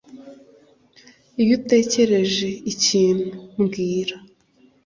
Iyo utekereje ikintu, mbwira.